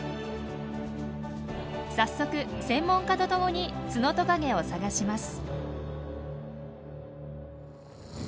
早速専門家と共にツノトカゲを探します。